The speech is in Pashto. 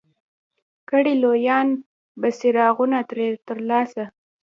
کړي لویان به څراغونه ترې ترلاسه